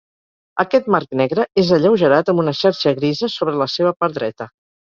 Aquest marc negre és alleugerat amb una xarxa grisa sobre la seva part dreta.